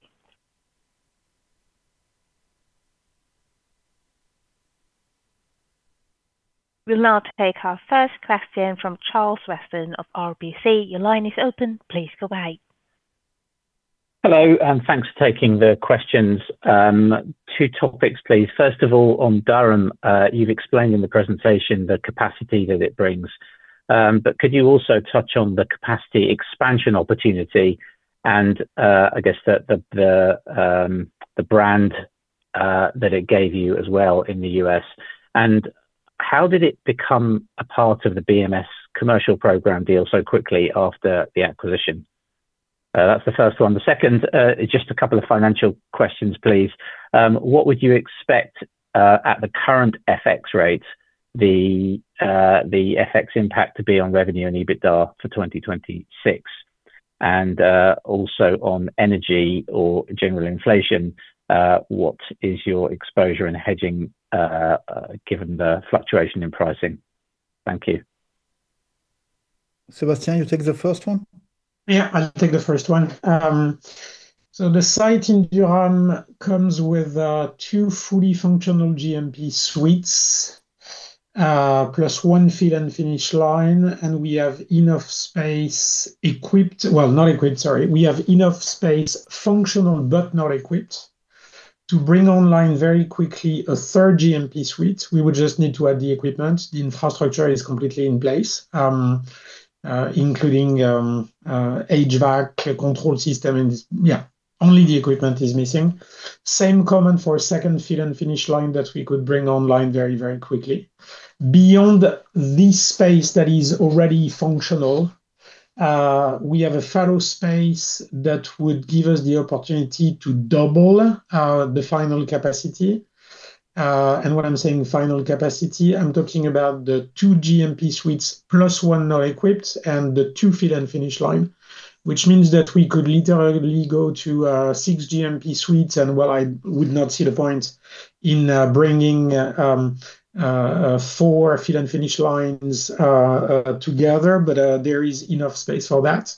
We'll now take our first question from Charles Weston of RBC. Your line is open. Please go ahead. Hello, thanks for taking the questions. Two topics, please. First of all, on Durham, you've explained in the presentation the capacity that it brings. Could you also touch on the capacity expansion opportunity and, I guess the brand, that it gave you as well in the U.S.? How did it become a part of the BMS commercial program deal so quickly after the acquisition? That's the first one. The second is just a couple of financial questions, please. What would you expect at the current FX rates, the FX impact to be on revenue and EBITDA for 2026? Also on energy or general inflation, what is your exposure and hedging, given the fluctuation in pricing? Thank you. Sébastien, you take the first one? Yeah, I'll take the first one. So the site in Durham comes with two fully functional GMP suites, plus one fill and finish line, and we have enough space functional, but not equipped, to bring online very quickly a third GMP suite. We would just need to add the equipment. The infrastructure is completely in place, including HVAC control system. Yeah, only the equipment is missing. Same comment for a second fill and finish line that we could bring online very, very quickly. Beyond this space that is already functional, we have a shell space that would give us the opportunity to double the final capacity. When I'm saying final capacity, I'm talking about the 2 GMP suites plus one not equipped and the 2 fill and finish lines, which means that we could literally go to 6 GMP suites. While I would not see the point in bringing 4 fill and finish lines together, there is enough space for that.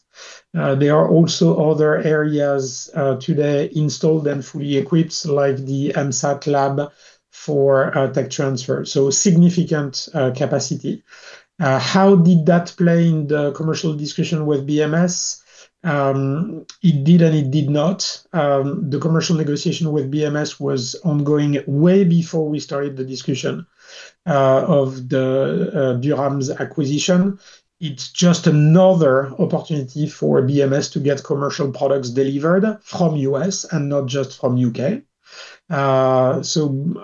There are also other areas today installed and fully equipped, like the MSAT lab for tech transfer. Significant capacity. How did that play in the commercial discussion with BMS? It did and it did not. The commercial negotiation with BMS was ongoing way before we started the discussion of the Durham's acquisition. It's just another opportunity for BMS to get commercial products delivered from U.S. and not just from U.K.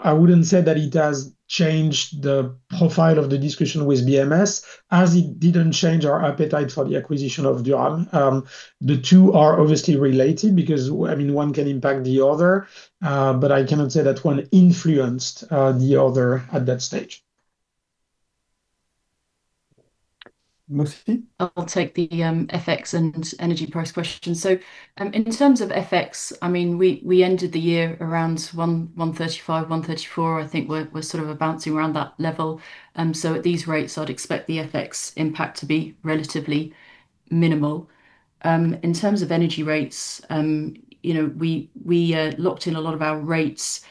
I wouldn't say that it has changed the profile of the discussion with BMS, as it didn't change our appetite for the acquisition of Durham. The two are obviously related because, I mean, one can impact the other, but I cannot say that one influenced the other at that stage. Christine. I'll take the FX and energy price question. In terms of FX, I mean, we ended the year around 1.35, 1.34. I think we're sort of bouncing around that level. At these rates, I'd expect the FX impact to be relatively minimal. In terms of energy rates, you know, we locked in a lot of our rates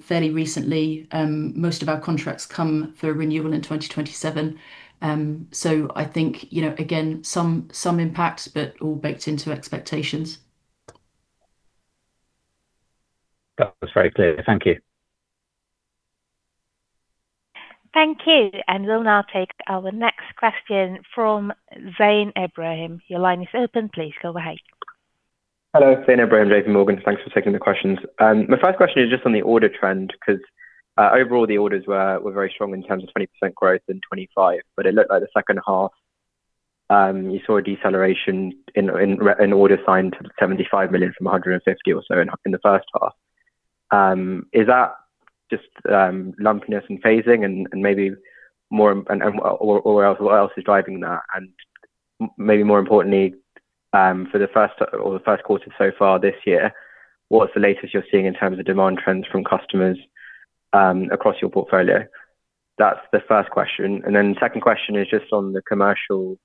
fairly recently. Most of our contracts come for renewal in 2027. I think, you know, again, some impacts, but all baked into expectations. That was very clear. Thank you. Thank you. We'll now take our next question from Zain Ebrahim. Your line is open. Please go ahead. Hello. Zain Ebrahim, JPMorgan. Thanks for taking the questions. My first question is just on the order trend, 'cause overall, the orders were very strong in terms of 20% growth in 2025. It looked like the second half, you saw a deceleration in orders signed, 75 million from 150 million or so in the first half. Is that just lumpiness and phasing and maybe more? Or else what else is driving that? Maybe more importantly, for the first quarter so far this year, what's the latest you're seeing in terms of demand trends from customers across your portfolio? That's the first question. Then second question is just on the commercial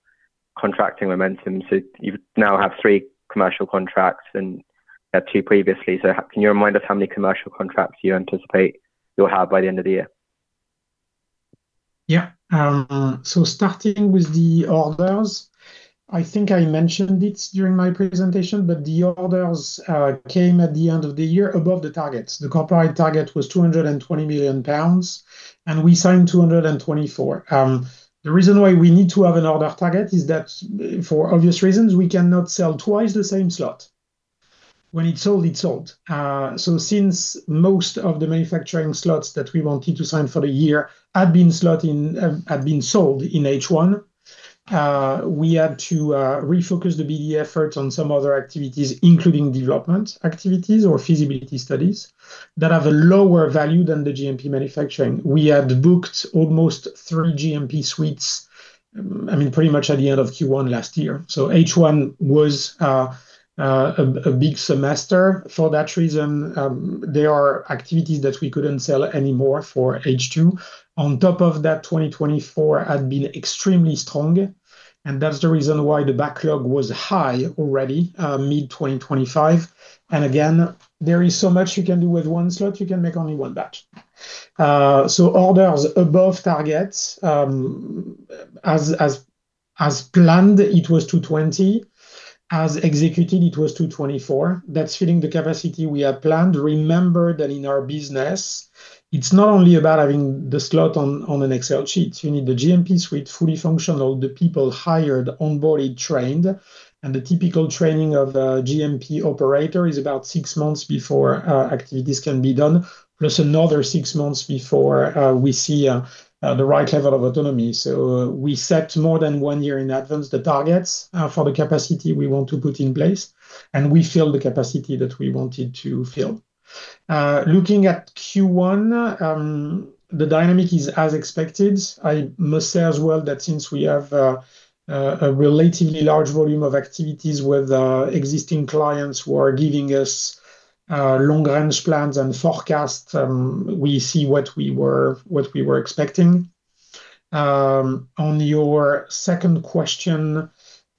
contracting momentum. So you now have three commercial contracts and you had two previously. Can you remind us how many commercial contracts you anticipate you'll have by the end of the year? Yeah. Starting with the orders, I think I mentioned it during my presentation, but the orders came at the end of the year above the targets. The compliance target was 220 million pounds, and we signed 224. The reason why we need to have an order target is that for obvious reasons we cannot sell twice the same slot. When it's sold, it's sold. Since most of the manufacturing slots that we wanted to sign for the year had been sold in H1, we had to refocus the BD efforts on some other activities, including development activities or feasibility studies that have a lower value than the GMP manufacturing. We had booked almost three GMP suites, I mean, pretty much at the end of Q1 last year. H1 was a big semester for that reason. There are activities that we couldn't sell anymore for H2. On top of that, 2024 had been extremely strong, and that's the reason why the backlog was high already, mid-2025. Again, there is so much you can do with one slot, you can make only one batch. Orders above targets, as planned, it was 220. As executed, it was 224. That's filling the capacity we had planned. Remember that in our business, it's not only about having the slot on an Excel sheet. You need the GMP suite fully functional, the people hired, onboarded, trained, and the typical training of a GMP operator is about six months before activities can be done, plus another six months before we see the right level of autonomy. We set more than one year in advance the targets for the capacity we want to put in place, and we fill the capacity that we wanted to fill. Looking at Q1, the dynamic is as expected. I must say as well that since we have a relatively large volume of activities with our existing clients who are giving us long-range plans and forecasts, we see what we were expecting. On your second question,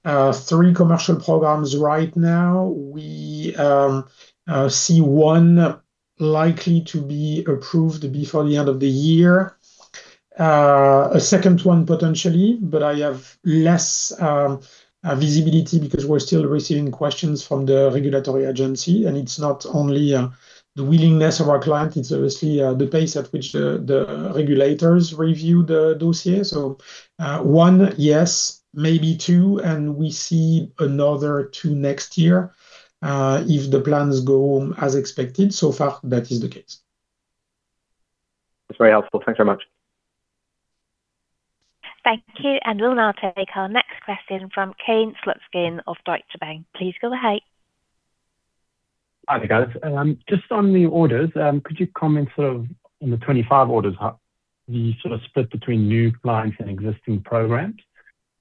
3 commercial programs right now. We see one likely to be approved before the end of the year. A second one, potentially, but I have less visibility because we're still receiving questions from the regulatory agency, and it's not only the willingness of our client, it's obviously the pace at which the regulators review the dossier. One, yes, maybe two, and we see another two next year, if the plans go as expected. So far, that is the case. That's very helpful. Thanks very much. Thank you. We'll now take our next question from Kane Slutzkin of Deutsche Bank. Please go ahead. Hi there, guys. Just on the orders, could you comment sort of on the 25 orders, the sort of split between new clients and existing programs?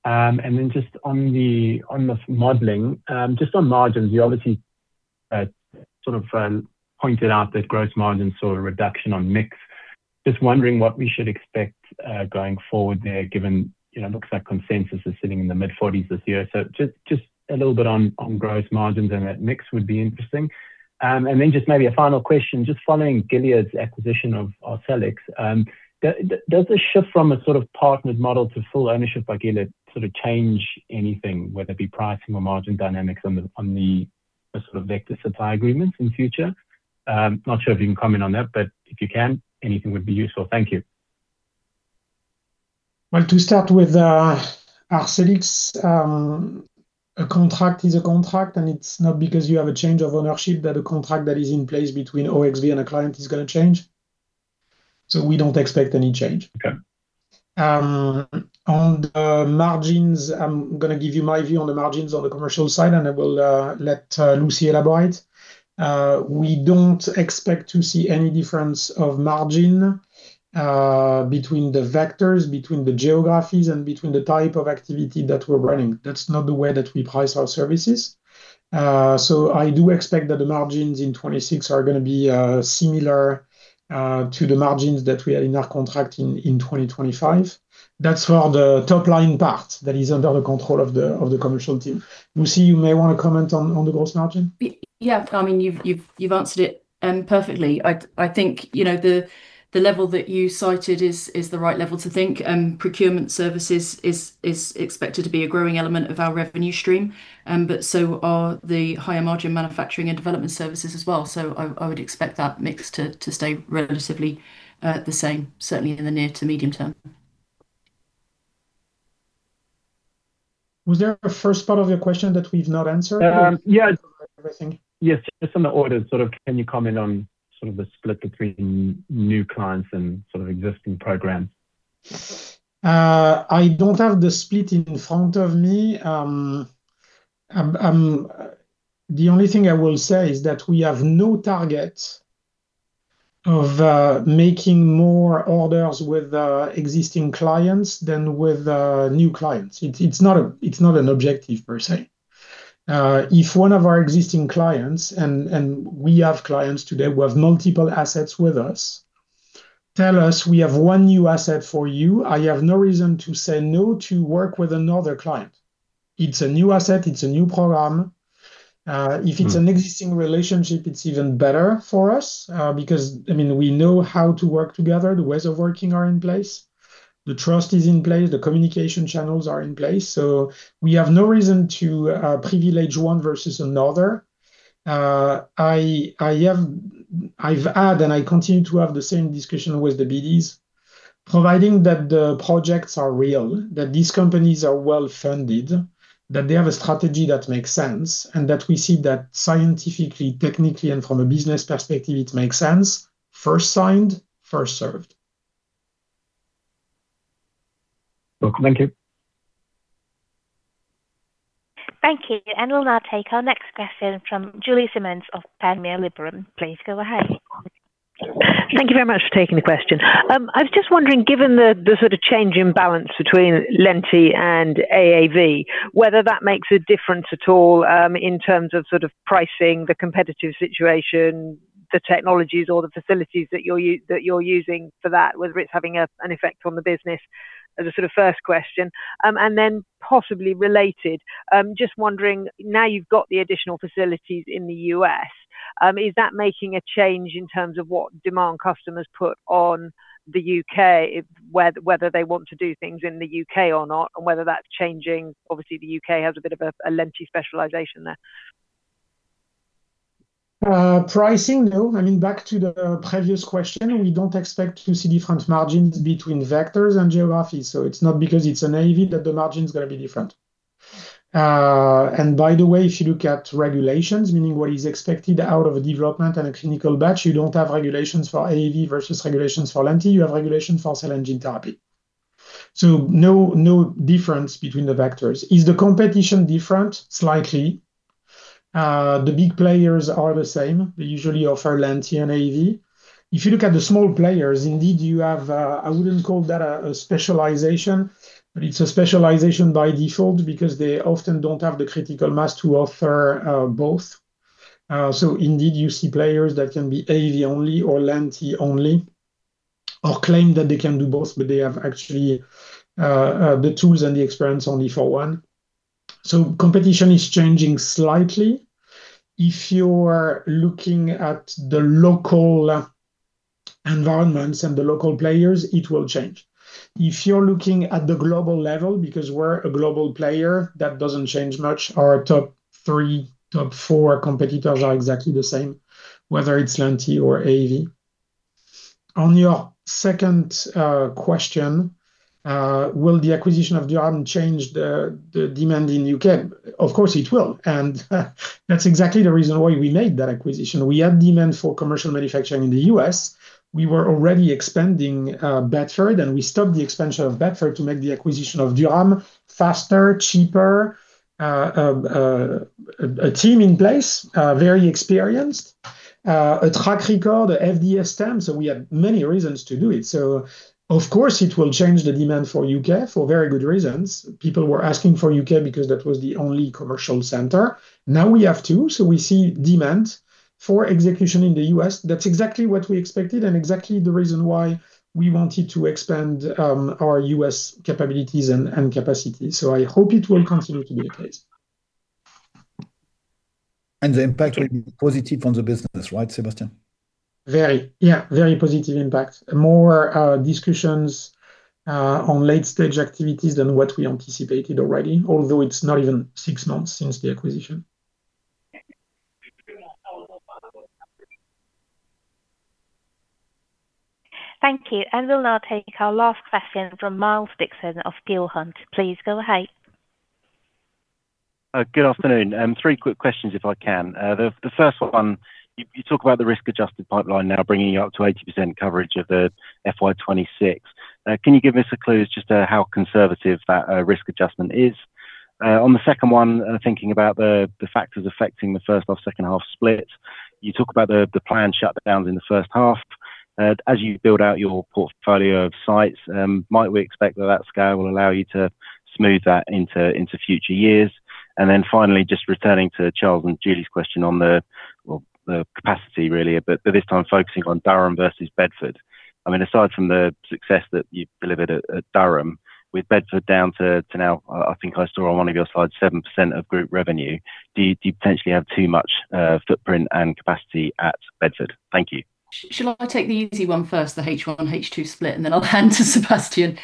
And then just on the modeling, just on margins, you obviously sort of pointed out that gross margins saw a reduction on mix. Just wondering what we should expect going forward there, given you know it looks like consensus is sitting in the mid-40s% this year. Just a little bit on gross margins and that mix would be interesting. And then just maybe a final question, just following Gilead's acquisition of Arcellx, does this shift from a sort of partnered model to full ownership by Gilead sort of change anything, whether it be pricing or margin dynamics on the sort of vector supply agreements in future? Not sure if you can comment on that, but if you can, anything would be useful. Thank you. Well, to start with, our Arcellx, a contract is a contract, and it's not because you have a change of ownership that a contract that is in place between OXB and a client is gonna change. We don't expect any change. Okay. On the margins, I'm gonna give you my view on the margins on the commercial side, and I will let Lucy elaborate. We don't expect to see any difference of margin between the vectors, between the geographies, and between the type of activity that we're running. That's not the way that we price our services. I do expect that the margins in 2026 are gonna be similar to the margins that we had in our contract in 2025. That's for the top-line part that is under the control of the commercial team. Lucy, you may wanna comment on the gross margin. Yeah. I mean, you've answered it perfectly. I think, you know, the level that you cited is the right level to think. Procurement services is expected to be a growing element of our revenue stream, but so are the higher margin manufacturing and development services as well. I would expect that mix to stay relatively the same, certainly in the near to medium term. Was there a first part of your question that we've not answered? Yeah. Everything. Yes. Just on the orders, sort of can you comment on sort of the split between new clients and sort of existing programs? I don't have the split in front of me. The only thing I will say is that we have no target of making more orders with existing clients than with new clients. It's not an objective per se. If one of our existing clients, and we have clients today who have multiple assets with us, tell us, "We have one new asset for you," I have no reason to say no to work with another client. It's a new asset. It's a new program. If it's an existing relationship, it's even better for us, because, I mean, we know how to work together, the ways of working are in place, the trust is in place, the communication channels are in place. We have no reason to privilege one versus another. I've had and I continue to have the same discussion with the BDs. Providing that the projects are real, that these companies are well-funded, that they have a strategy that makes sense, and that we see that scientifically, technically, and from a business perspective, it makes sense. First signed, first served. Thank you. Thank you. We'll now take our next question from Julie Simmonds of Panmure Liberum. Please go ahead. Thank you very much for taking the question. I was just wondering, given the sort of change in balance between Lenti and AAV, whether that makes a difference at all, in terms of sort of pricing, the competitive situation, the technologies or the facilities that you're using for that, whether it's having an effect on the business as a sort of first question. Possibly related, just wondering now you've got the additional facilities in the U.S., is that making a change in terms of what demand customers put on the U.K., whether they want to do things in the U.K. or not, and whether that's changing. Obviously, the U.K. has a bit of a Lenti specialization there. Pricing, no. I mean, back to the previous question. We don't expect to see different margins between vectors and geographies, so it's not because it's an AAV that the margin is gonna be different. By the way, if you look at regulations, meaning what is expected out of a development and a clinical batch, you don't have regulations for AAV versus regulations for Lenti. You have regulation for cell and gene therapy. No, no difference between the vectors. Is the competition different? Slightly. The big players are the same. They usually offer Lenti and AAV. If you look at the small players, indeed, you have, I wouldn't call that a specialization, but it's a specialization by default because they often don't have the critical mass to offer both. Indeed, you see players that can be AAV only or Lenti only, or claim that they can do both, but they have actually the tools and the experience only for one. Competition is changing slightly. If you're looking at the local environments and the local players, it will change. If you're looking at the global level, because we're a global player, that doesn't change much. Our top three, top four competitors are exactly the same, whether it's Lenti or AAV. On your second question, will the acquisition of Durham change the demand in U.K.? Of course it will. That's exactly the reason why we made that acquisition. We had demand for commercial manufacturing in the U.S. We were already expanding Bedford, and we stopped the expansion of Bedford to make the acquisition of Durham faster, cheaper. A team in place, very experienced. A track record, FDA stamped, so we had many reasons to do it. Of course, it will change the demand for U.K. for very good reasons. People were asking for U.K. because that was the only commercial center. Now we have two, so we see demand for execution in the U.S. That's exactly what we expected and exactly the reason why we wanted to expand our U.S. capabilities and capacity. I hope it will continue to be the case. The impact will be positive on the business, right, Sébastien? Very, yeah, very positive impact. More discussions on late-stage activities than what we anticipated already, although it's not even six months since the acquisition. Thank you. We'll now take our last question from Miles Dixon of Peel Hunt. Please go ahead. Good afternoon. Three quick questions, if I can. The first one, you talk about the risk-adjusted pipeline now bringing you up to 80% coverage of the FY 2026. Can you give us a clue as to how conservative that risk adjustment is? On the second one, thinking about the factors affecting the first half, second half split. You talk about the planned shutdowns in the first half. As you build out your portfolio of sites, might we expect that scale will allow you to smooth that into future years? Then finally, just returning to Charles and Julie's question on the, well, the capacity really, but this time focusing on Durham versus Bedford. I mean, aside from the success that you've delivered at Durham, with Bedford down to now, I think I saw on one of your slides, 7% of group revenue, do you potentially have too much footprint and capacity at Bedford? Thank you. Shall I take the easy one first, the H one, H two split, and then I'll hand to Sébastien?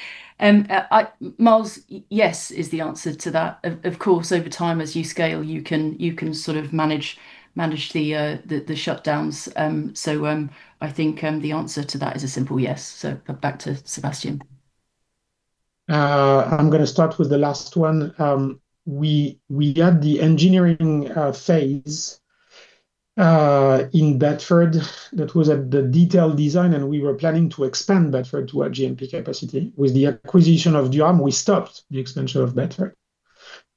Miles, yes is the answer to that. Of course, over time, as you scale, you can sort of manage the shutdowns. I think the answer to that is a simple yes. Back to Sébastien. I'm gonna start with the last one. We got the engineering phase in Bedford that was at the detailed design, and we were planning to expand Bedford to our GMP capacity. With the acquisition of Durham, we stopped the expansion of Bedford.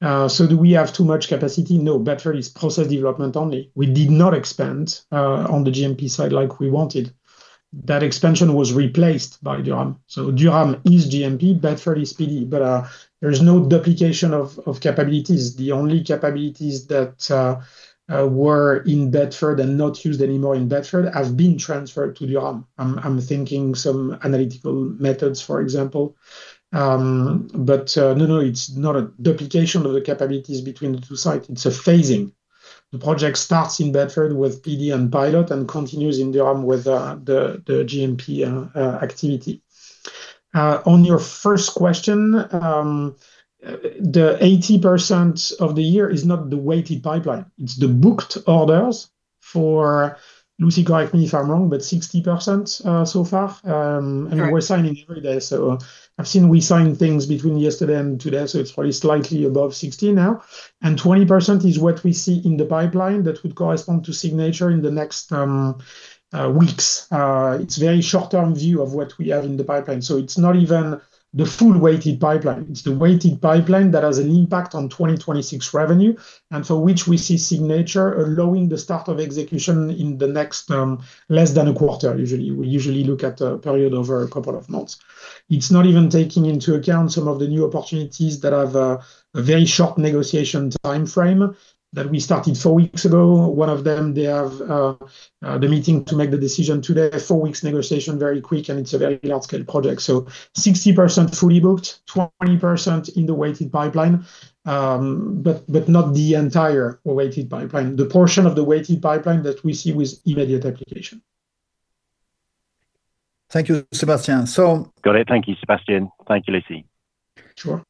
Do we have too much capacity? No. Bedford is process development only. We did not expand on the GMP side like we wanted. That expansion was replaced by Durham. Durham is GMP, Bedford is PD, but there is no duplication of capabilities. The only capabilities that were in Bedford and not used anymore in Bedford have been transferred to Durham. I'm thinking some analytical methods, for example. It's not a duplication of the capabilities between the two sites. It's a phasing. The project starts in Bedford with PD and pilot and continues in Durham with the GMP activity. On your first question, the 80% of the year is not the weighted pipeline. It's the booked orders. For Lucy, correct me if I'm wrong, but 60% so far. We're signing every day, so I've seen we sign things between yesterday and today, so it's probably slightly above 60 now. 20% is what we see in the pipeline that would correspond to signature in the next weeks. It's very short-term view of what we have in the pipeline. It's not even the full weighted pipeline. It's the weighted pipeline that has an impact on 2026 revenue, and for which we see signature allowing the start of execution in the next less than a quarter usually. We usually look at a period over a couple of months. It's not even taking into account some of the new opportunities that have a very short negotiation timeframe that we started four weeks ago. One of them, they have the meeting to make the decision today. Four weeks negotiation, very quick, and it's a very large scale project. So 60% fully booked, 20% in the weighted pipeline, but not the entire weighted pipeline. The portion of the weighted pipeline that we see with immediate application. Thank you, Sébastien. Got it. Thank you, Sébastien. Thank you, Lucy. Sure.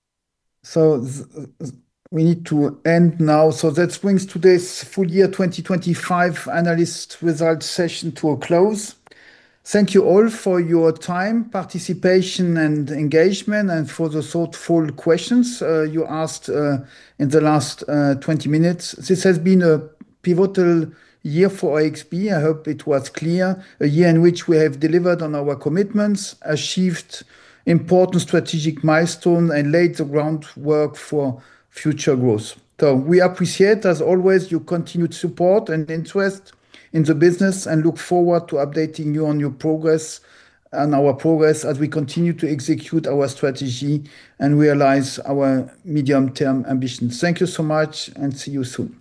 We need to end now. That brings today's full year 2025 analyst results session to a close. Thank you all for your time, participation and engagement, and for the thoughtful questions you asked in the last 20 minutes. This has been a pivotal year for OXB. I hope it was clear. A year in which we have delivered on our commitments, achieved important strategic milestones, and laid the groundwork for future growth. We appreciate, as always, your continued support and interest in the business and look forward to updating you on our progress as we continue to execute our strategy and realize our medium-term ambitions. Thank you so much, and see you soon.